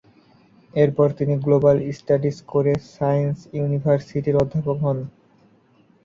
এরপর তিনি এ গ্লোবাল স্টাডিজ করে সায়েন্স ইউনিভার্সিটি অধ্যাপক হন।